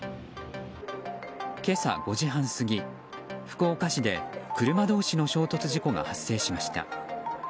今朝５時半過ぎ、福岡市で車同士の衝突事故が発生しました。